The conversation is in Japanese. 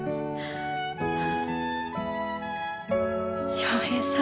翔平さん。